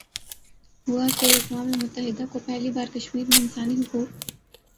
ہوا کہ اقوام متحدہ کو پہلی بار کشمیرمیں انسانی حقوق